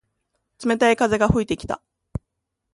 冷たい風が吹いてきた。